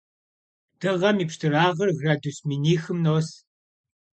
Дыгъэм и пщтырагъыр градус минихым нос.